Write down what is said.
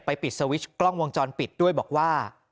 นพเนี่ยไปปิดกล้องวงจรปิดด้วยบอกว่า